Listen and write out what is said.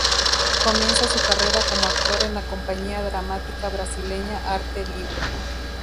Comienza su carrera como actor en la compañía dramática brasileña Arte Livre.